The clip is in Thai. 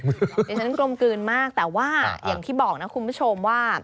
เดี๋ยวฉันกลมกลืนมากแต่ว่าอย่างที่บอกนะคุณผู้ชมว่า